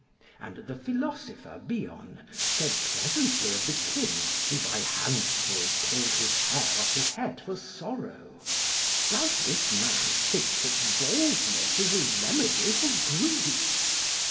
And the philosopher Bion said pleasantly of the king, who by handsful pulled his hair off his head for sorrow, "Does this man think that baldness is a remedy for grief?"